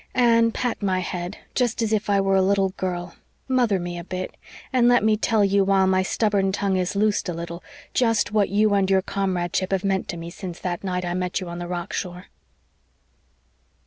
Anne, pat my head just as if I were a little girl MOTHER me a bit and let me tell you while my stubborn tongue is loosed a little just what you and your comradeship have meant to me since that night I met you on the rock shore."